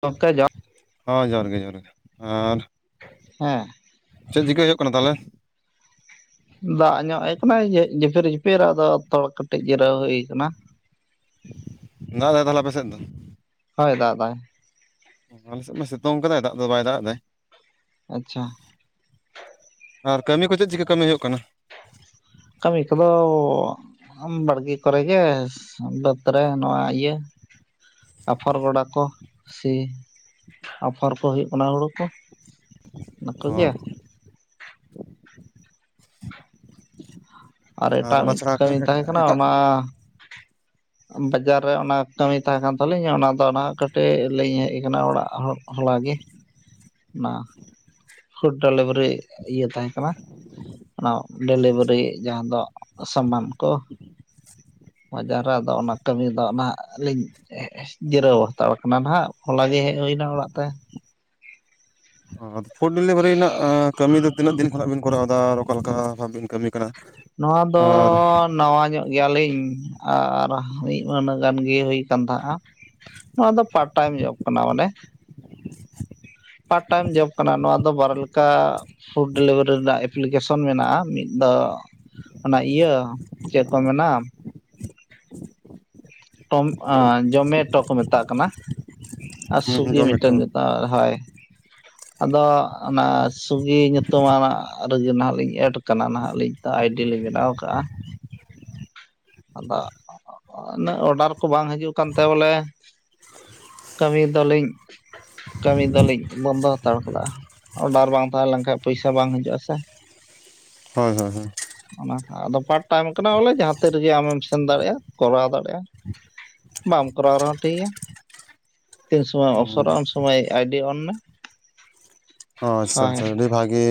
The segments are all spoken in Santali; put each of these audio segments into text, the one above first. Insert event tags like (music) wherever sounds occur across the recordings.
ᱜᱚᱝᱠᱮ ᱡᱚᱦᱟᱨ ᱦᱚᱸ ᱡᱚᱦᱟᱨ ᱜᱮ ᱡᱚᱦᱟᱨ ᱜᱮ ᱟᱨ ᱦᱮᱸ ᱪᱮᱫ ᱪᱤᱠᱟᱹ ᱦᱩᱭᱩᱜ ᱠᱟᱱᱟ ᱛᱟᱦᱞᱮ? ᱫᱟᱜ ᱧᱚᱜ ᱮ ᱠᱟᱱᱟᱭ ᱡᱷᱤ ᱡᱷᱤᱯᱤᱨ-ᱡᱷᱤᱯᱤᱨ ᱟᱫᱚ ᱛᱚᱲ ᱠᱟᱹᱴᱤᱡ ᱡᱤᱨᱟᱹᱣ ᱦᱩᱭ ᱠᱟᱱᱟ ᱫᱟᱜ ᱫᱟᱭ ᱛᱟᱦᱞᱮ ᱟᱯᱮ ᱥᱮᱫ ᱫᱚ? ᱦᱳᱭ ᱫᱟᱜ ᱫᱟᱭ᱾ ᱟᱞᱮ ᱥᱮᱫ ᱢᱟ ᱥᱤᱛᱩᱝ ᱠᱟᱫᱟᱭ ᱫᱟᱜ ᱫᱚ ᱵᱟᱭ ᱫᱟᱜ ᱫᱟᱭ ᱟᱪᱪᱷᱟ ᱟᱨ ᱠᱟᱹᱢᱤ ᱠᱚ ᱪᱮᱫ ᱪᱤᱠᱟᱹ ᱠᱟᱹᱢᱤ ᱦᱩᱭᱩᱜ ᱠᱟᱱᱟ? ᱠᱟᱹᱢᱤ ᱠᱚᱫᱚ ᱟᱢ ᱵᱟᱲᱜᱤ ᱠᱚᱨᱮ ᱜᱮ, ᱵᱟᱹᱛ ᱨᱮ ᱱᱚᱣᱟ ᱤᱭᱟᱹ ᱟᱯᱷᱚᱨ ᱜᱚᱰᱟ ᱠᱚ ᱥᱤ ᱟᱯᱷᱚᱨ ᱠᱚ ᱦᱩᱭᱩᱜ ᱠᱟᱱᱟ ᱦᱩᱲᱩ ᱠᱚ ᱱᱩᱠᱩ ᱦᱚᱸ ᱜᱮ? ᱟᱨ ᱮᱴᱟᱜ ᱚᱱᱟ ᱢᱤᱫ ᱪᱷᱟᱲᱟ ᱟᱠᱟ ᱠᱟᱹᱢᱤ ᱛᱟᱦᱮᱸ ᱠᱟᱱᱟ ᱮᱴᱟᱜ? ᱚᱱᱟ ᱵᱟᱡᱟᱨ ᱨᱮ ᱚᱱᱟ ᱠᱟᱹᱢᱤ ᱛᱟᱸᱦᱮ ᱠᱟᱱ ᱛᱟᱞᱤᱧᱟ ᱚᱱᱟᱫᱚ ᱱᱟᱦᱟᱜ ᱠᱟᱹᱴᱤᱡ ᱞᱟᱹᱭ ᱤᱧ ᱦᱮᱡ ᱠᱟᱱᱟ ᱚᱲᱟᱜ ᱦᱚᱲ ᱦᱚᱞᱟᱜᱮ ᱱᱟ ᱯᱷᱩᱰ ᱰᱮᱞᱤᱵᱷᱟᱨᱤ ᱤᱭᱟᱹ ᱛᱟᱦᱮᱸ ᱠᱟᱱᱟ, ᱚᱱᱟ ᱰᱮᱞᱤᱵᱷᱟᱨᱤ ᱡᱟᱸᱦᱟ ᱫᱚ ᱥᱟᱢᱟᱱ ᱠᱚ ᱵᱟᱡᱟᱨ ᱨᱮ ᱟᱫᱚ ᱚᱱᱟ ᱠᱟᱹᱢᱤ ᱫᱚ ᱱᱟᱦᱟᱜ ᱞᱤᱧ ᱦᱮᱜ ᱡᱤᱨᱟᱹᱣ ᱦᱟᱛᱟᱲ ᱠᱟᱱᱟ ᱱᱟᱦᱟᱜ ᱦᱚᱞᱟ ᱜᱮ ᱦᱮᱡ ᱦᱩᱭᱱᱟ ᱚᱲᱟᱜ ᱛᱮ ᱚ ᱟᱫᱚ ᱯᱷᱩᱰ ᱰᱮᱞᱤᱵᱷᱟᱨᱤ ᱨᱮᱱᱟᱜ ᱠᱟᱹᱢᱤ ᱫᱚ ᱛᱤᱱᱟᱹᱜ ᱫᱤᱱ ᱠᱷᱚᱱᱟᱜ ᱵᱤᱱ ᱠᱚᱨᱟᱣ ᱫᱟ ᱟᱨ ᱚᱠᱟ ᱞᱮᱠᱟ ᱵᱷᱟᱵ ᱵᱤᱱ ᱠᱟᱹᱢᱤ ᱠᱟᱱᱟ? ᱱᱚᱣᱟ ᱫᱚ ᱟᱨ ᱱᱟᱣᱟ ᱧᱚᱜ ᱜᱮᱭᱟᱞᱤᱧ ᱟᱨ ᱢᱤᱫ ᱢᱟᱹᱦᱱᱟᱹ ᱜᱟᱱ ᱜᱮ ᱦᱩᱭ ᱠᱟᱱ ᱛᱟᱦᱮᱸᱼᱟ, ᱱᱚᱣᱟ ᱫᱚ ᱯᱟᱴ ᱴᱟᱭᱤᱢ ᱡᱚᱵ ᱠᱟᱱᱟ ᱢᱟᱱᱮ ᱻ ᱯᱟᱨ ᱴᱟᱭᱤᱢ ᱡᱚᱵ ᱠᱟᱱᱟ ᱱᱚᱣᱟ ᱫᱚ ᱵᱟᱨᱚ ᱞᱮᱠᱟ ᱯᱷᱩᱰ ᱰᱮᱞᱤᱵᱷᱟᱨᱤ ᱨᱮᱱᱟᱜ ᱮᱯᱞᱤᱠᱮᱥᱚᱱ ᱢᱮᱱᱟᱜᱼᱟ, ᱢᱤᱫ ᱫᱚ ᱚᱱᱟ ᱤᱭᱟᱹ ᱪᱮᱫ ᱠᱚ ᱢᱮᱱᱟ ᱴᱚᱢ ᱟ ᱡᱚᱢᱮᱴᱚ ᱠᱚ ᱢᱮᱛᱟᱜ ᱠᱟᱱᱟ ᱟᱨ ᱥᱩᱭᱜᱤ ᱢᱤᱫᱴᱮᱱ (unintelligible) ᱦᱳᱭ ᱻ ᱟᱫᱚ ᱚᱱᱟ ᱥᱩᱜᱤ ᱧᱩᱛᱩᱢᱟᱱᱟᱜ ᱨᱮᱜᱮ ᱱᱟᱦᱟᱜ ᱞᱤᱧ ᱮᱰ ᱠᱟᱱᱟ ᱱᱟᱦᱟᱜ ᱞᱤᱧ (unintelligible) ᱟᱭᱰᱤ ᱞᱤ ᱵᱮᱱᱟᱣ ᱠᱟᱜᱼᱟ ᱟᱫᱚ ᱩᱱᱟᱹᱜ ᱚᱰᱟᱨ ᱠᱚ ᱵᱟᱝ ᱦᱤᱡᱩᱜ ᱠᱟᱱ ᱛᱮ ᱵᱚᱞᱮ ᱠᱟᱹᱢᱤ ᱫᱚᱞᱤᱧ, ᱠᱟᱹᱢᱤ ᱫᱚᱞᱤᱧ ᱵᱚᱱᱫᱚ ᱦᱟᱛᱟᱲ ᱠᱟᱫᱟ ᱚᱰᱟᱨ ᱵᱟᱝ ᱛᱟᱦᱮᱸ ᱞᱮᱱᱠᱟᱱ ᱯᱚᱭᱥᱟ ᱵᱟᱝ ᱦᱤᱡᱩᱜᱼᱟ ᱥᱮ ᱦᱳᱭ ᱦᱳᱭ ᱦᱳᱭ ᱚᱱᱟᱛᱮ ᱟᱫᱚ ᱯᱟᱴ ᱴᱟᱭᱤᱢ ᱠᱟᱱᱟ ᱵᱚᱞᱮ ᱡᱟᱦᱟᱸ ᱛᱤ ᱨᱮᱜᱮ ᱟᱢᱮᱢ ᱥᱮᱱ ᱫᱟᱲᱮᱜᱼᱟ ᱠᱚᱨᱟᱣ ᱫᱟᱲᱮᱼᱟ, ᱵᱟᱢ ᱠᱚᱨᱟᱣ ᱨᱮᱦᱚᱸ ᱴᱷᱤᱠ ᱜᱮᱭᱟ ᱛᱤᱱ ᱥᱩᱢᱚᱭ ᱮᱢ ᱦᱚᱸ ᱚᱯᱥᱚᱨᱟ ᱩᱱ ᱥᱚᱢᱚᱭ ᱟᱭᱰᱤ ᱚᱱ ᱢᱮ ᱚ ᱟᱪᱪᱷᱟ ᱦᱳᱭ ᱟᱪᱪᱷᱟ ᱟᱹᱰᱤ ᱵᱷᱟᱜᱮ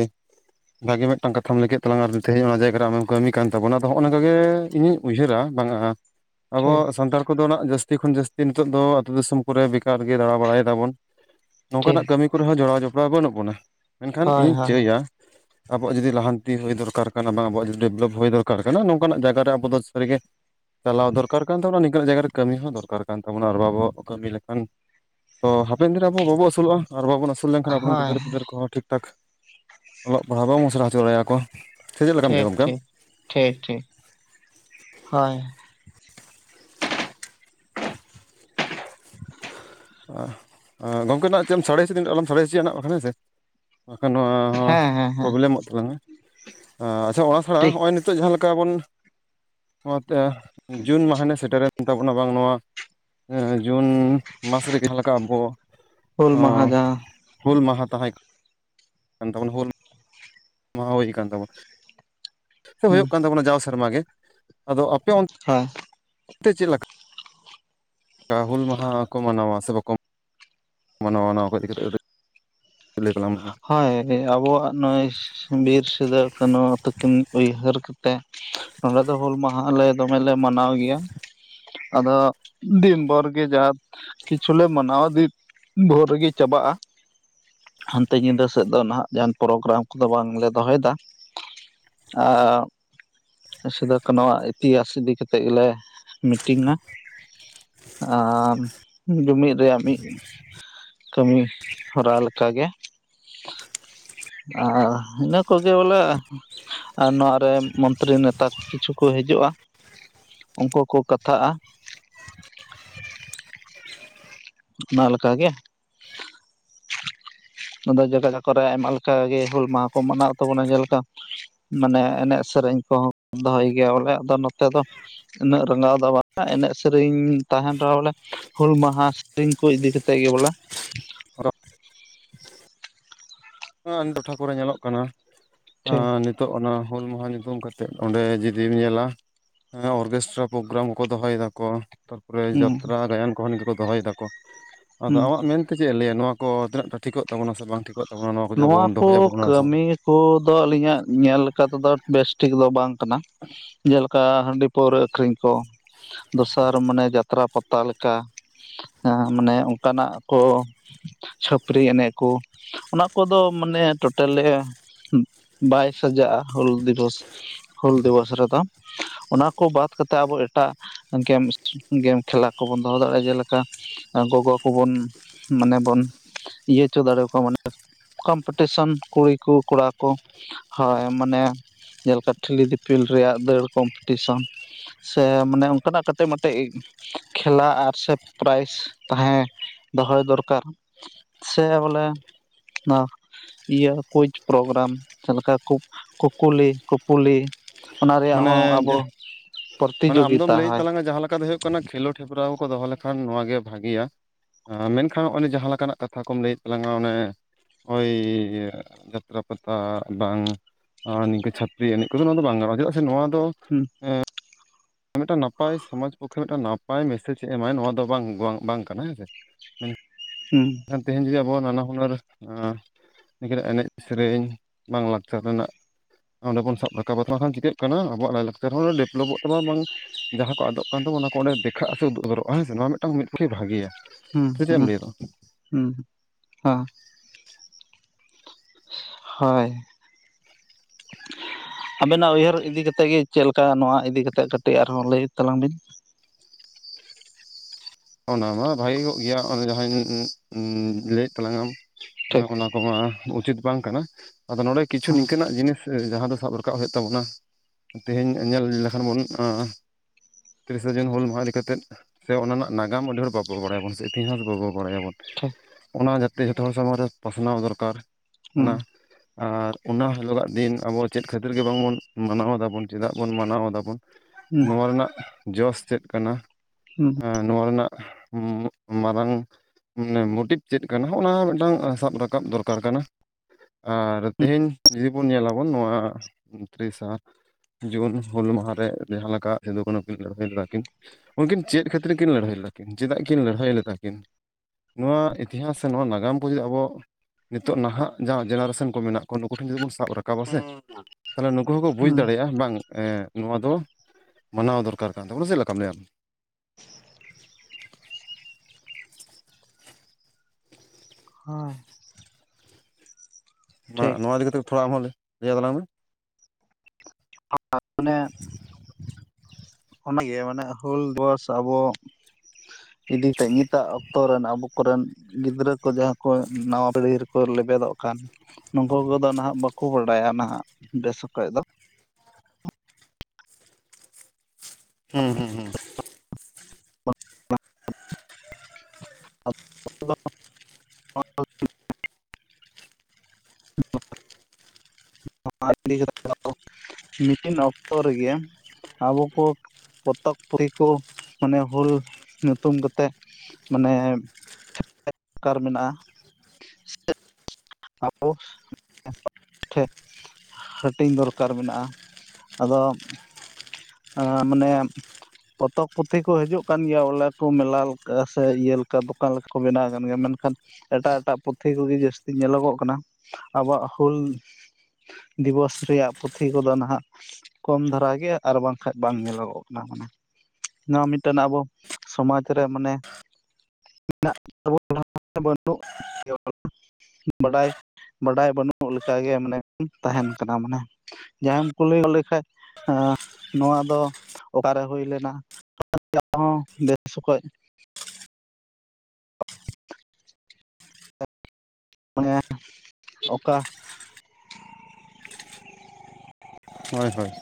ᱵᱷᱟᱜᱮ ᱢᱤᱫᱴᱟᱝ ᱠᱟᱛᱷᱟᱢ ᱞᱟᱹᱭ ᱠᱮᱫ ᱛᱟᱞᱟᱝ ᱟᱨ ᱛᱮᱦᱮᱧ ᱚᱱᱟ ᱡᱟᱭᱜᱟ ᱨᱮ ᱟᱢᱮᱢ ᱠᱟᱹᱢᱤ ᱠᱟᱱ ᱛᱟᱵᱟᱱᱟ ᱟᱫᱚ ᱱᱚᱜᱼ ᱱᱚᱝᱠᱟ ᱜᱮ ᱤᱧᱤᱡ ᱩᱭᱦᱟᱹᱨᱟ ᱵᱟᱝᱼᱟ, ᱟᱵᱚ ᱴᱷᱤᱠ ᱥᱟᱱᱛᱟᱲ ᱠᱚᱫᱚ ᱱᱟᱜ ᱡᱟᱹᱥ ᱡᱟᱹᱥᱛᱤ ᱠᱷᱚᱱ ᱡᱟᱹᱥᱛᱤ ᱱᱤᱛᱚᱜ ᱫᱚ ᱟᱹᱛᱩ ᱫᱤᱥᱚᱢ ᱠᱚᱨᱮ ᱵᱮᱠᱟᱨ ᱜᱮ ᱫᱟᱬᱟ ᱵᱟᱲᱟᱭ ᱫᱟᱵᱚᱱ ᱴᱷᱤᱠ ᱱᱚᱝᱠᱟᱱᱟᱜ ᱠᱟᱹᱢᱤ ᱠᱚᱨᱮ ᱦᱚᱸ ᱡᱚᱲᱟᱣ ᱡᱚᱯᱲᱟᱣ ᱵᱟᱹᱱᱩᱜ ᱵᱚᱱᱟ, ᱢᱮᱱᱠᱷᱟᱱ ᱦᱳᱭ ᱤᱧᱤᱧ ᱦᱳᱭ ᱪᱟᱹᱭᱟ ᱟᱵᱚᱣᱟᱜ ᱡᱩᱫᱤ ᱞᱟᱦᱟᱱᱛᱤ ᱦᱳᱭ ᱫᱚᱨᱠᱟᱨ ᱠᱟᱱᱟ ᱵᱟᱝ ᱟᱵᱚᱣᱟᱜ ᱡᱩᱫᱤ ᱰᱮᱵᱞᱚᱯ ᱦᱳᱭ ᱫᱚᱨᱠᱟᱨ ᱠᱟᱱᱟ ᱱᱚᱝᱠᱟᱱᱟᱜ ᱡᱟᱭᱜᱟ ᱨᱮ ᱟᱵᱚ ᱫᱚ ᱥᱟᱹᱨᱤ ᱜᱮ ᱪᱟᱞᱟᱣ ᱫᱚᱨᱠᱟᱨ ᱠᱟᱱ ᱛᱟᱵᱚᱱᱟ ᱱᱤᱝᱠᱟ ᱱᱟᱜ ᱡᱟᱭᱜᱟ ᱨᱮ ᱠᱟᱹᱢᱤ ᱦᱚᱸ ᱫᱚᱨᱠᱟᱨ ᱠᱟᱱ ᱛᱟᱵᱚᱱᱟ ᱟᱨ ᱵᱟᱵᱚ ᱠᱟᱹᱢᱤ ᱞᱮᱠᱟᱱ ᱛᱚ ᱦᱟᱯᱮᱱ ᱫᱤᱱ ᱨᱮ ᱟᱵᱚ ᱵᱟᱵᱚ ᱟᱹᱥᱩᱞᱚᱜᱼᱟ ᱟᱨ ᱵᱟᱵᱚᱱ ᱟᱹᱥᱩ ᱟᱹᱥᱩᱞ ᱞᱮᱱᱠᱷᱟᱱ ᱟᱵᱚᱨᱮᱱ ᱦᱳᱭ ᱜᱤᱫᱟᱹᱨ ᱯᱤᱫᱟᱹᱨ ᱠᱚᱦᱚᱸ ᱴᱷᱤᱠ ᱴᱷᱟᱠ ᱚᱞᱚᱜ ᱯᱟᱲᱦᱟᱜ ᱵᱟᱝᱵᱚᱱ ᱥᱮᱬᱟ ᱦᱚᱪᱚ ᱫᱟᱲᱮᱭᱟ ᱠᱚᱣᱟ ᱴᱷᱤᱠ ᱴᱷᱤᱠ ᱴᱷᱤᱠ ᱴᱷᱤᱠ ᱦᱳᱭ ᱟ ᱜᱚᱝᱠᱮ ᱱᱟᱜ ᱪᱮᱫ ᱥᱟᱲᱮ ᱦᱚᱪᱚ ᱮᱫᱟ ᱟᱞᱟᱢ ᱥᱟᱲᱮᱥ ᱦᱚᱪᱟᱭᱟ ᱦᱮᱸ ᱥᱮ ᱵᱟᱠᱷᱟᱱ ᱱᱚᱣᱟ ᱦᱚᱸ ᱦᱮᱸ ᱦᱮᱸ ᱦᱮᱸ ᱯᱨᱚᱵᱞᱮᱢᱚᱜ ᱛᱟᱞᱟᱝᱟ ᱟᱪᱪᱷᱟ ᱚᱱᱟ ᱪᱷᱟᱲᱟ, ᱴᱷᱤᱠ ᱱᱚᱜᱼᱚᱭ ᱱᱤᱛᱚᱜ ᱡᱟᱦᱟᱸ ᱞᱮᱠᱟ ᱵᱚᱱ ᱱᱚᱛᱮ ᱡᱩᱱ ᱢᱟᱦᱟ ᱥᱮᱴᱮᱨᱮᱱ ᱛᱟᱵᱚᱱᱟ, ᱵᱟᱝ ᱱᱚᱣᱟ ᱡᱩᱱ ᱢᱟᱥ ᱨᱮᱜᱮ ᱡᱟᱦᱟᱸ ᱞᱮᱠᱟ ᱟᱵᱚ, ᱦᱩᱞ ᱢᱟᱦᱟ ᱡᱟᱦᱟᱸ ᱦᱩᱞ ᱢᱟᱦᱟ ᱛᱟᱦᱮᱸ ᱠᱟᱱ ᱛᱟᱵᱟᱱᱟ, ᱦᱩᱞ ᱢᱟᱦᱟ ᱦᱳᱭ ᱠᱟᱱ ᱛᱟᱵᱚᱱᱟ, ᱥᱮ ᱦᱳᱭᱳᱜ ᱠᱟᱱ ᱛᱟᱵᱚᱱᱟ, ᱡᱟᱣ ᱥᱮᱨᱢᱟ ᱜᱮ, ᱟᱫᱚ ᱟᱯᱮ ᱚᱱ ᱦᱟᱸ, ᱛᱮ ᱪᱮᱫ ᱞᱮᱠᱟ ᱠᱟ ᱦᱩᱞ ᱢᱟᱦᱟ ᱠᱚ ᱢᱟᱱᱟᱣᱟ, ᱥᱮ ᱵᱟᱠᱚ ᱢᱟᱱᱟᱣᱟ, ᱱᱚᱶᱟ, ᱠᱚ ᱤᱫᱤ ᱠᱟᱛᱮᱜ ᱠᱟᱹᱴᱤᱡ ᱞᱟᱹᱭ ᱛᱟᱞᱟᱝ ᱢᱮ, ᱢᱟ? ᱦᱳᱭ ᱟᱵᱚᱣᱟᱜ ᱱᱚᱜᱼᱚᱭ, ᱵᱤᱨ ᱥᱤᱫᱟᱹ ᱠᱟᱹᱱᱩ ᱛᱟᱹᱠᱤᱱ, ᱩᱭᱦᱟᱹᱨ ᱠᱟᱛᱮᱜ ᱱᱚᱸᱰᱮ ᱫᱚ ᱦᱩᱞ ᱢᱟᱦᱟ ᱟᱞᱮ, ᱫᱚᱢᱮᱞᱮ ᱢᱟᱱᱟᱣ ᱜᱮᱭᱟ᱾ ᱟᱫᱚ ᱫᱤᱱ ᱵᱷᱳᱚᱨ ᱜᱮ ᱡᱟ ᱠᱤᱪᱷᱩᱞᱮ ᱢᱟᱱᱟᱣ ᱤᱫᱤ, ᱵᱷᱳᱨ ᱨᱮᱜᱮ ᱪᱟᱵᱟᱜᱼᱟ᱾ ᱦᱟᱱᱛᱮ ᱧᱤᱫᱟᱹ ᱥᱮᱫ ᱫᱚ, ᱱᱟᱦᱟᱜ ᱡᱟᱦᱟᱱ ᱯᱨᱳᱜᱨᱟᱢ ᱠᱚᱫᱚ ᱵᱟᱝᱞᱮ ᱫᱚᱦᱚᱭᱫᱟ᱾ ᱟᱸ ᱥᱤᱫᱩ-ᱠᱟᱱᱩ ᱤᱛᱤᱦᱟᱥ ᱤᱫᱤ ᱠᱟᱛᱮᱫ, ᱜᱮᱞᱮ ᱢᱤᱴᱤᱝ ᱱᱟ᱾ ᱟᱢ ᱡᱩᱢᱤᱫ ᱨᱮᱭᱟᱜ, ᱢᱤᱫ ᱠᱟᱹᱢᱤ ᱦᱚᱨᱟ ᱞᱮᱠᱟ ᱞᱮᱠᱟ ᱜᱮ ᱟᱨ ᱤᱱᱟᱹ ᱠᱚᱜᱮ ᱵᱚᱞᱮ ᱟᱨ ᱱᱚᱶᱟ ᱨᱮ ᱢᱚᱱᱛᱨᱤ ᱱᱮᱛᱟ, ᱠᱤᱪᱷᱩ ᱠᱚ ᱦᱤᱡᱩᱜᱼᱟ᱾ ᱩᱱᱠᱩ ᱠᱚ ᱠᱟᱛᱷᱟᱜᱼᱟ᱾ ᱚᱱᱟ ᱞᱮᱠᱟ ᱜᱮ, ᱱᱚᱰᱮ ᱡᱚᱠᱷᱚᱡ ᱠᱚ ᱠᱚᱨᱟᱣᱼᱟ, ᱟᱭᱢᱟ ᱞᱮᱠᱟᱜᱮ ᱦᱩᱞ ᱢᱟᱦᱟ ᱠᱚ ᱢᱟᱱᱟᱣ ᱛᱟᱵᱚᱱᱟ ᱡᱮ ᱞᱮᱠᱟ ᱢᱟᱱᱮ ᱮᱱᱮᱡ ᱥᱮᱨᱮᱧ ᱠᱚᱦᱚ ᱫᱚᱦᱚᱭ ᱜᱮᱭᱟ, ᱵᱚᱞᱮ ᱟᱫᱚ ᱱᱚᱛᱮ ᱫᱚ, ᱩᱱᱟᱹᱜ ᱨᱟᱸᱜᱟᱣ ᱫᱚ, ᱮᱱᱮᱡ ᱥᱮᱨᱮᱧ ᱛᱟᱦᱮᱱ ᱨᱮᱦᱚᱸ ᱵᱚᱞᱮ, ᱦᱩᱞ ᱢᱟᱦᱟ ᱴᱤᱢ ᱠᱚ ᱤᱫᱤ ᱠᱟᱛᱮᱫ ᱜᱮ ᱵᱚᱞᱮ, ᱦᱮ ᱟᱹᱰᱤ ᱴᱚᱴᱷᱟ ᱠᱚᱨᱮ, ᱧᱮᱞᱚᱜ ᱠᱟᱱᱟ, ᱴᱷᱤᱠ ᱱᱤᱛᱚᱜ ᱚᱱᱟ ᱦᱩᱞ ᱢᱟᱦᱟ ᱧᱩᱛᱩᱢ ᱠᱟᱛᱮᱫ, ᱚᱸᱰᱮ ᱡᱩᱫᱤᱢ ᱧᱮᱞᱟ ᱮᱸ ᱚᱨᱜᱮᱥᱴᱨᱟ ᱯᱨᱳᱜᱨᱟᱢ ᱦᱚᱠᱚ, ᱫᱚᱦᱚᱭ ᱫᱟ ᱠᱚ᱾ ᱛᱟᱯᱚᱨᱮ ᱦᱩᱸ ᱡᱟᱛᱨᱟ ᱜᱟᱭᱟᱱ ᱠᱚᱦᱚᱸ, ᱱᱤᱝᱠᱟᱹ ᱠᱚ ᱫᱚᱦᱚᱭ ᱫᱟᱠᱚ, ᱟᱫᱚ ᱦᱩᱸ ᱟᱢᱟᱜ ᱢᱮᱱ ᱛᱮ ᱪᱮᱫ ᱮ ᱞᱮᱹᱭᱟ, ᱱᱚᱶᱟ ᱠᱚ ᱛᱤᱱᱟᱹᱜ ᱴᱟ ᱴᱷᱤᱠᱚᱜ ᱛᱟᱵᱚᱱᱟ, ᱥᱮ ᱵᱟᱝ ᱴᱷᱤᱠᱚᱜ ᱛᱟᱵᱚᱱᱟ᱾ ᱱᱚᱣᱟ ᱠᱚ ᱡᱮ ᱟᱵᱚ ᱱᱚᱶᱟ ᱵᱚᱱ ᱠᱚ ᱫᱚᱦᱚᱭᱟᱵᱚᱱ ᱚᱱᱟ ᱥᱟᱶ ᱠᱟᱹᱢᱤ ᱦᱳ ᱫᱚ ᱟᱹᱞᱤᱧᱟᱜ ᱧᱮᱞ ᱞᱮᱠᱟᱛᱮ ᱫᱚ, ᱵᱮᱥᱴᱷᱤᱠ ᱫᱚ ᱵᱟᱝ ᱠᱟᱱᱟ, ᱡᱮᱞᱮᱠᱟ ᱦᱟᱺᱰᱤ ᱯᱟᱹᱣᱨᱟᱹ ᱟᱹᱠᱷᱨᱤᱧ ᱠᱚ, ᱫᱚᱥᱟᱨ ᱢᱟᱱᱮ ᱡᱟᱛᱨᱟ ᱯᱟᱛᱟ ᱞᱮᱠᱟ᱾ ᱢᱟᱱᱮ ᱚᱱᱠᱟᱱᱟᱜ ᱠᱚ, ᱪᱷᱟᱹᱯᱨᱤ ᱮᱱᱮᱡ ᱠᱚ, ᱚᱱᱟ ᱠᱚᱫᱚ ᱢᱟᱱᱮ ᱴᱳᱴᱟᱞᱮ, ᱵᱟᱭ ᱥᱟᱡᱟᱜᱼᱟ, ᱦᱩᱞ ᱫᱤᱵᱚᱥ ᱦᱩᱞ ᱫᱤᱵᱚᱥ ᱨᱮᱫᱚ᱾ ᱚᱱᱟᱠᱚ ᱵᱟᱫ ᱠᱟᱛᱮᱫ ᱟᱵᱚ, ᱮᱴᱟᱜ ᱜᱮᱢ, ᱜᱮᱢ ᱠᱷᱮᱞᱟ ᱠᱚᱵᱚᱱ ᱫᱚᱦᱚ ᱫᱟᱲᱮᱭᱟᱜᱼᱟ, ᱡᱮᱞᱮᱠᱟ ᱜᱚᱜᱚ ᱠᱚᱵᱚᱱ ᱢᱟᱱᱮ, ᱵᱚᱱ ᱤᱭᱟᱹ ᱦᱚᱪᱚ ᱫᱟᱲᱮ ᱟᱠᱚᱣᱟ ᱢᱟᱱᱮ ᱠᱚᱢᱯᱤᱴᱤᱥᱚᱱ ᱠᱩᱲᱤ ᱠᱚ, ᱠᱚᱲᱟ ᱠᱚ᱾ ᱦᱳᱭ ᱢᱟᱱᱮ ᱡᱮᱞᱮᱠᱟ, ᱴᱷᱤᱞᱤ ᱫᱤᱯᱤᱞ ᱨᱮᱭᱟᱜ ᱫᱟᱹᱲ, ᱠᱚᱢᱯᱤᱴᱤᱥᱚᱱ᱾ ᱥᱮ ᱢᱟᱱᱮ ᱚᱱᱠᱟᱱᱟᱜ, ᱠᱟᱹᱴᱤᱡ ᱢᱤᱫᱴᱮᱡ, ᱠᱷᱮᱞᱟ ᱟᱨ ᱥᱮ, ᱯᱨᱟᱭᱤᱡ ᱛᱟᱦᱮᱸ ᱫᱚᱦᱚᱭ ᱫᱚᱨᱠᱟᱨ᱾ ᱥᱮ ᱵᱚᱞᱮ ᱱᱚᱣᱟ ᱤᱭᱟᱹ ᱠᱳᱭᱤᱡ ᱯᱨᱳᱜᱨᱟᱢ, ᱪᱮᱞᱮᱠᱟ ᱠᱩ, ᱠᱩᱠᱞᱤ, ᱠᱩᱯᱩᱞᱤ, ᱚᱱᱟ ᱨᱮᱭᱟᱜ ᱢᱟᱱᱮ ᱦᱚᱸ ᱟᱵᱚ, ᱡᱟ- ᱢᱟᱱᱮ ᱟᱢᱫᱚᱢ ᱞᱟᱹᱭᱮᱫ ᱯᱨᱚᱛᱤᱡᱳᱜᱤᱛᱟᱭ᱾ ᱛᱟᱞᱟᱝᱟ ᱡᱟᱦᱟᱸ ᱞᱮᱠᱟ ᱫᱚ ᱦᱩᱭᱩᱜ, ᱠᱚᱱᱚ, ᱠᱷᱮᱞᱳᱰ ᱦᱮᱯᱨᱟᱣ ᱠᱚ ᱫᱚᱦᱚ ᱞᱮᱠᱷᱟᱱ, ᱱᱚᱣᱟ ᱜᱮ ᱵᱷᱟᱜᱤᱭᱟ ᱾ ᱢᱮᱱᱠᱷᱟᱱ, ᱚᱱᱮ ᱡᱟᱦᱟᱸ ᱞᱮᱠᱟᱱᱟᱜ ᱠᱟᱛᱷᱟ ᱠᱚᱢ, ᱞᱟᱹᱭᱮᱫ ᱛᱟᱞᱟᱝᱟ ᱾ ᱚᱱᱮ, ᱦᱳᱭ, ᱡᱟᱛᱨᱟ ᱯᱟᱛᱟ ᱵᱟᱝ ᱟᱨ ᱱᱤᱝᱟᱹ ᱪᱷᱟᱹᱯᱨᱤ ᱮᱱᱮᱡ ᱠᱚᱫᱚ, ᱱᱚᱣᱟ ᱫᱚ ᱵᱟᱝ ᱜᱟᱱᱚᱜᱼᱟ ᱾ ᱪᱮᱫᱟᱜ ᱥᱮ, ᱱᱚᱣᱟ ᱫᱚ ᱦᱩᱸ ᱾ ᱦᱮᱸ ᱾ ᱢᱤᱫᱴᱟᱝ ᱱᱟᱯᱟᱭ ᱥᱚᱢᱟᱡᱽ ᱯᱚᱠᱷᱮ, ᱢᱤᱫᱴᱟᱝ ᱱᱟᱯᱟᱭ ᱢᱮᱥᱮᱡᱽ ᱮᱢᱟᱭ, ᱱᱚᱣᱟ ᱫᱚ ᱵᱟᱝ, ᱵᱟᱝ ᱠᱟᱱᱟ ᱾ ᱦᱮᱸᱥᱮ? ᱦᱮᱸᱦ ᱾ ᱦᱩᱸᱻ ᱾ ᱛᱮᱦᱮᱧ ᱡᱮ, ᱟᱵᱚᱣᱟᱜ ᱱᱟᱱᱟ ᱦᱩᱱᱟᱹᱨ ᱦᱟᱸ ᱾ ᱱᱤᱝᱠᱟᱱᱟᱜ ᱮᱱᱮᱡ ᱥᱮᱨᱮᱧ ᱵᱟᱝ ᱞᱟᱠᱪᱲᱨ ᱨᱮᱱᱟᱜ, ᱚᱸᱰᱮ ᱵᱚᱱ ᱥᱟᱵ ᱨᱟᱠᱟᱵ (unintelligible) ᱠᱷᱟᱱ ᱪᱤᱠᱟᱹ? ᱠᱟᱱᱟ ᱾ ᱟᱵᱚᱣᱟᱜ ᱞᱟᱭ-ᱞᱟᱠᱪᱟᱨ ᱦᱚᱸ ᱰᱮᱵᱷᱞᱚᱯᱚᱜ ᱛᱟᱵᱚᱼᱟ ᱵᱟᱝ? ᱡᱟᱦᱟᱸ ᱠᱚ, ᱟᱫᱚᱜ ᱠᱟᱱ ᱛᱟᱵᱚᱱᱟ, ᱚᱱᱟ ᱠᱚᱸ ᱚᱰᱮ ᱫᱮᱠᱷᱟᱜᱼᱟ ᱥᱮ, ᱩᱫᱩᱜ ᱩᱫᱟᱹᱨᱚᱜᱼᱟ ᱦᱮᱸᱥᱮ, ᱱᱚᱣᱟ ᱢᱤᱫᱴᱟᱝ ᱢᱤᱫᱤ ᱯᱷᱮ, ᱵᱷᱟᱹᱜᱮᱼᱭᱟ ᱾ ᱦᱩᱸ, ᱦᱩᱸᱻ, ᱦᱩᱸ ᱦᱟᱸ ᱾ ᱦᱳᱭᱻ ᱾ ᱟᱵᱮᱱᱟᱜ ᱩᱭᱦᱟᱹᱨ ᱤᱫᱤ ᱠᱟᱛᱮᱫ ᱜᱮ, ᱪᱮᱫ ᱞᱮᱠᱟ ᱱᱚᱣᱟ ᱤᱫᱤ ᱠᱟᱛᱮᱜ, ᱠᱟᱹᱴᱤᱡ ᱟᱨᱦᱚᱸ, ᱞᱟᱹᱭ ᱛᱟᱞᱟᱝ ᱵᱤᱱ ᱾ ᱚᱱᱟ ᱢᱟ ᱵᱷᱟᱜᱮ ᱠᱚᱜ ᱜᱮᱭᱟ ᱾ ᱚᱱᱮ ᱡᱟᱦᱟ ᱚᱸᱩᱸᱜᱻᱩᱸᱻᱚᱸᱼ, ᱞᱟᱹᱭᱮᱫ ᱛᱟᱞᱟᱝ ᱟᱢ ᱾ ᱦᱮᱸ, ᱴᱷᱤᱠ ᱚᱱᱟ ᱠᱚ ᱢᱟ ᱩᱪᱤᱛ ᱵᱟᱝ ᱠᱟᱱᱟ ᱾ ᱟᱫᱚ, ᱱᱚᱰᱮ ᱠᱤᱪᱷᱩ ᱦᱮᱸ ᱱᱤᱝᱠᱟᱹᱱᱟᱜ ᱡᱤᱱᱤᱥ ᱮᱸᱼ, ᱡᱟᱦᱟᱸ ᱫᱚ ᱥᱟᱵ ᱨᱟᱠᱟᱵ ᱦᱩᱭᱩᱜ ᱛᱟᱵᱚᱱᱟ ᱾ ᱛᱮᱦᱮᱧ ᱧᱮᱞ ᱞᱮᱠᱷᱟᱱ ᱵᱚᱱ, ᱟᱸᱻ ᱾ ᱛᱤᱨᱤᱥᱟ ᱡᱩᱱ ᱦᱩᱞ ᱢᱟᱦᱟ ᱤᱫᱤ ᱠᱟᱛᱮᱫ, ᱥᱮ, ᱚᱱᱟ ᱨᱮᱱᱟᱜ ᱱᱟᱜᱟᱢ ᱟᱹᱰᱤ ᱦᱚᱲ ᱵᱟ ᱵᱟᱵᱚ ᱵᱟᱲᱟᱭᱟ ᱥᱮ ᱤᱛᱤᱦᱟᱥ ᱵᱟ ᱵᱚᱱ ᱵᱟᱲᱟᱭᱟᱵᱚᱱ ᱴᱷᱤᱠ ᱾ ᱚᱱᱟ ᱡᱟᱛᱮ, ᱡᱚᱛᱚ ᱦᱚᱲ ᱥᱟᱢᱟᱝ ᱨᱮ, ᱯᱟᱥᱱᱟᱣ ᱫᱚᱨᱠᱟᱨ ᱾ ᱦᱩᱸ ᱚᱱᱟ ᱟᱨ, ᱚᱱᱟ ᱦᱤᱞᱳᱟᱜ ᱫᱤᱱ, ᱟᱵᱚ ᱪᱮᱫ ᱠᱷᱟᱹᱛᱤᱨ ᱜᱮ ᱵᱟᱝᱵᱚᱱ ᱢᱟᱱᱟᱣ ᱮᱫᱟ ᱵᱚᱱ, ᱪᱮᱫᱟᱜ ᱵᱚᱱ ᱢᱟᱱᱟᱣ ᱮᱫᱟᱵᱚᱱ ᱾ ᱦᱩᱸ ᱱᱚᱣᱟ ᱨᱮᱱᱟᱜ ᱡᱚᱥ ᱪᱮᱫ ᱠᱟᱱᱟ? ᱦᱩᱸ, ᱾ ᱱᱚᱣᱟ ᱨᱮᱱᱟᱜ ᱢᱟᱨᱟᱝ ᱢᱟᱱᱮ, ᱢᱚᱴᱤᱵᱽ ᱪᱮᱫ ᱠᱟᱱᱟ ᱾ ᱚᱱᱟ ᱢᱤᱫᱴᱟᱝ ᱥᱟᱵ, ᱨᱟᱠᱟᱵ ᱫᱚᱨᱠᱟᱨ ᱠᱟᱱᱟ ᱾ ᱟᱨ, ᱛᱮᱦᱤᱧ ᱡᱩᱫᱤ ᱵᱚᱱ ᱧᱮᱞᱟᱵᱚᱱ ᱱᱚᱣᱟ, ᱛᱨᱤᱥᱟ ᱡᱩᱱ ᱦᱩᱞ ᱢᱟᱦᱟᱨᱮ ᱾ ᱡᱟᱦᱟᱸ ᱞᱮᱠᱟ ᱥᱤᱫᱩ ᱠᱟᱹᱱᱩᱠᱤᱱ ᱞᱟᱹᱲᱦᱟᱹᱭ ᱞᱮᱫᱟ ᱠᱤᱱ, ᱩᱱᱠᱤᱱ ᱪᱮᱫ? ᱠᱷᱟᱹᱛᱤᱨ ᱠᱤᱱ ᱞᱟᱹᱲᱦᱟᱹᱭ ᱞᱮᱫᱟᱠᱤᱱ, ᱪᱮᱫᱟᱜ? ᱠᱤᱱ ᱞᱟᱹᱲᱦᱟᱹᱭ ᱞᱮᱫᱟᱠᱤᱱ ᱾ ᱱᱚᱣᱟ ᱤᱛᱤᱦᱟᱥ ᱥᱮ, ᱱᱚᱣᱟ ᱱᱟᱜᱟᱢ ᱠᱚ, ᱡᱩᱫᱤ ᱟᱵᱚ ᱱᱤᱛᱚᱜ ᱱᱟᱦᱟᱜ, ᱡᱟᱦᱟᱸ ᱡᱮᱱᱟᱨᱮᱥᱚᱱ ᱠᱚ, ᱢᱮᱱᱟᱜ ᱠᱚᱣᱟ ᱾ ᱱᱩᱠᱩ ᱴᱷᱮᱱ ᱡᱩᱫᱤ ᱵᱚᱱ, ᱥᱟᱵ ᱨᱟᱠᱟᱵᱟ ᱥᱮ, ᱛᱟᱦᱚᱞᱮ, ᱱᱩᱠᱩ ᱦᱚᱸᱠᱚ ᱵᱩᱡᱽ ᱦᱩᱸ ᱫᱟᱲᱮᱭᱟᱜ-ᱟ ᱾ ᱵᱟᱝ ᱟᱸ ᱮᱸ ᱱᱚᱣᱟ ᱫᱚ ᱢᱟᱱᱟᱣ ᱫᱚᱨᱠᱟᱨ ᱠᱟᱱ ᱛᱟᱵᱚᱱᱟ ᱾ ᱥᱮ ᱪᱮᱫ ᱞᱮᱠᱟᱢ ᱞᱟᱹᱭᱟ ᱟᱢ ᱾ ᱦᱳᱭ ᱾ ᱢᱟ, ᱴᱷᱤᱠ ᱱᱚᱣᱟ ᱤᱫᱤ ᱠᱟᱛᱮ ᱛᱷᱚᱲᱟ, ᱟᱢ ᱦᱚᱸ ᱞᱟᱹᱭᱟᱜ ᱛᱟᱞᱟᱝ ᱢᱮ ᱾ (unintelligible) ᱢᱟᱱᱮ ᱾ ᱚᱱᱟ ᱜᱮ, ᱢᱟᱱᱮ ᱦᱩᱞ ᱫᱤᱵᱚᱥ, ᱟᱵᱚ ᱤᱫᱤ ᱛᱮ ᱱᱤᱛᱟᱜ ᱚᱠᱛᱚ ᱨᱮᱱ, ᱟᱵᱚ ᱠᱚᱨᱮᱱ ᱜᱤᱫᱽᱨᱟᱹ ᱠᱚ, ᱡᱟᱦᱟᱸ ᱠᱚ ᱱᱟᱣᱟ ᱯᱤᱲᱦᱤ ᱨᱮᱠᱚ, ᱞᱮᱵᱮᱫᱚᱜ ᱠᱟᱱ ᱱᱩᱠᱩ ᱠᱚᱫᱚ, ᱱᱷᱟᱜ ᱵᱟᱠᱚ ᱵᱟᱰᱟᱭᱟ ᱱᱷᱟᱜ, ᱵᱮᱥ ᱚᱠᱚᱡ ᱫᱚ ᱾ ᱦᱩᱸ ᱦᱩᱸ ᱦᱩᱸ ᱾ (unintelligible) ᱚᱠᱛᱚ ᱨᱮᱜᱮ ᱟᱵᱚ ᱠᱚ, ᱯᱚᱛᱚᱠ ᱯᱩᱨᱤ ᱠᱚ, ᱢᱟᱱᱮ ᱦᱩᱞ ᱧᱩᱛᱩᱢ ᱠᱟᱛᱮᱜ ᱢᱟᱱᱮ ᱠᱟᱨ ᱢᱮᱱᱟᱜ-ᱟ ᱟᱵᱚ (unintelligible) ᱴᱷᱮᱜ ᱦᱟᱹᱴᱤᱧ ᱫᱚᱨᱠᱟᱨ ᱢᱮᱱᱟᱜ-ᱟ ᱟᱫᱚ ᱟᱸ ᱢᱟᱱᱮ ᱯᱚᱛᱚᱵ ᱯᱩᱛᱷᱤ ᱠᱚ ᱦᱤᱡᱩᱜ ᱠᱟᱱ ᱜᱮᱭᱟ ᱵᱚᱞᱮ ᱠᱚ ᱢᱮᱞᱟ ᱞᱮᱠᱟ ᱥᱮ ᱤᱭᱟᱹ ᱞᱮᱠᱟ ᱫᱚᱠᱟᱱ ᱞᱮᱠᱟ ᱠᱚ ᱵᱮᱱᱟᱣ ᱮᱠᱟᱱ ᱜᱮᱭᱟ ᱢᱮᱱᱠᱷᱟᱱ ᱮᱴᱟᱜ ᱮᱴᱟᱜ ᱯᱩᱛᱷᱤ ᱠᱚᱜᱤ ᱡᱟᱹᱥᱛᱤ ᱧᱮᱞᱚᱜᱚᱜ ᱠᱟᱱᱟ ᱟᱵᱚᱣᱟᱜ ᱦᱩᱞ ᱫᱤᱵᱚᱥ ᱨᱮᱭᱟᱜ ᱯᱩᱛᱷᱤ ᱠᱚᱫᱚ ᱱᱟᱦᱟᱜ ᱠᱚᱢ ᱫᱷᱟᱨᱟ ᱜᱮ ᱟᱨ ᱵᱟᱝᱠᱷᱟᱡ ᱵᱟᱝ ᱧᱮᱞᱚᱜᱚᱜ ᱠᱟᱱᱟ ᱢᱟᱱᱮ ᱱᱚᱣᱟ ᱢᱤᱴᱮᱱ ᱟᱵᱚ ᱥᱚᱢᱟᱡ ᱨᱮ ᱢᱟᱱᱮ (unintelligible) ᱵᱟᱰᱟᱭ ᱵᱟᱰᱟᱭ ᱵᱟᱹᱱᱩᱜ ᱞᱮᱠᱟᱜᱮ ᱢᱟᱱᱮ ᱛᱟᱦᱮᱱ ᱠᱟᱱᱟ ᱢᱟᱱᱮ ᱡᱟᱦᱟᱸᱭᱮᱢ ᱠᱩᱞᱤ ᱜᱚᱫ ᱞᱮᱠᱷᱟᱡ ᱱᱚᱣᱟ ᱫᱚ ᱚᱠᱟᱨᱮ ᱦᱩᱭ ᱞᱮᱱᱟ ᱚᱱᱟ ᱨᱮᱭᱟᱜ ᱦᱚᱸ ᱵᱮᱥ ᱚᱠᱚᱡ ᱢᱟᱱᱮ ᱚᱠᱟ ᱦᱳᱭ ᱦᱳᱭ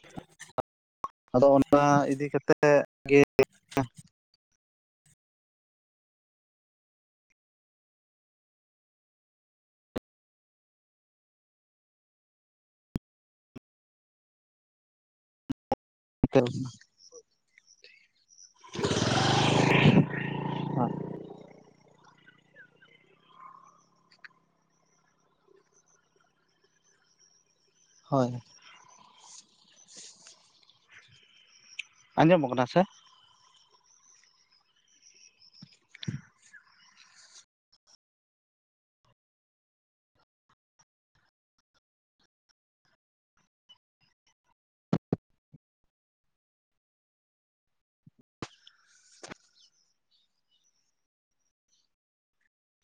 (inaudible) ᱟᱫᱚ ᱚᱱᱟ ᱤᱫᱤ ᱠᱟᱛᱮᱫ ᱜᱮ (unintelligible) ᱦᱚᱭ ᱟᱸᱡᱚᱢᱚᱜ ᱠᱟᱱᱟ ᱥᱮ